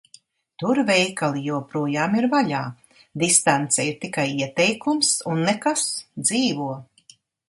Tur veikali joprojām ir vaļā, distance ir tikai ieteikums, un nekas – dzīvo.